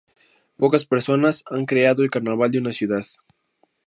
Pocas personas han creado el carnaval de una ciudad.